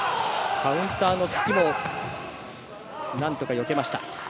カウンターの突きもなんとかよけました。